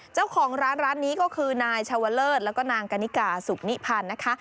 เจ้าของร้านร้านนี้ก็คือนายชาวเลิศแล้วก็นางกณิกาสุขนิพันธ์นะคะ